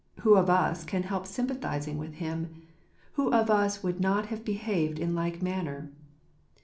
who of us can help sympathizing with him? who of us would not have behaved in like manner?